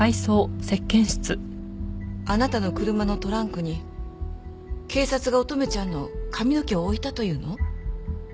あなたの車のトランクに警察が乙女ちゃんの髪の毛を置いたと言うの？